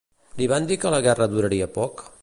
Li van dir que la guerra duraria poc?